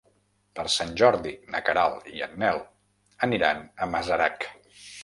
Per Sant Jordi na Queralt i en Nel aniran a Masarac.